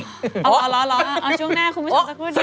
เอาช่วงหน้าคุณผู้ชมสักครู่เดียว